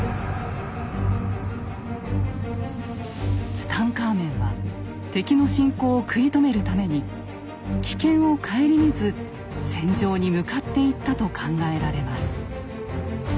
ツタンカーメンは敵の侵攻を食い止めるために危険を顧みず戦場に向かっていったと考えられます。